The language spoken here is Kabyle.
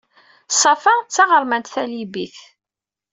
Safa d taɣermant talibit.